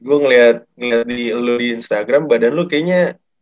gue ngeliat lu di instagram badan lu kayaknya